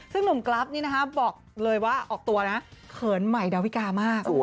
ซึ่งหนุ่มกราฟนี่นะคะบอกเลยว่าออกตัวนะเขินใหม่ดาวิกามาก